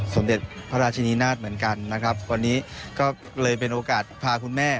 สมเด็จพระราชนีนาฏเหมือนกันนะครับวันนี้ก็เลยเป็นโอกาสพาคุณแม่